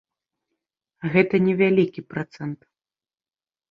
Гэта не вялікі працэнт.